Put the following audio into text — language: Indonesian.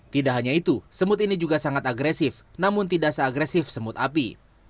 tidak hanya itu semut ini juga sangat agresif namun tidak seagresif semut api